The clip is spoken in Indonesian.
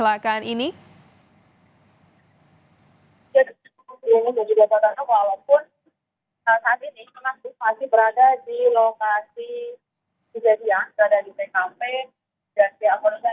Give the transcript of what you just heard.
yang ada di ruang sel marambatan